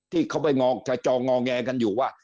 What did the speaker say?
ที่เขาไปเจาะงอแงกันอยู่ว่า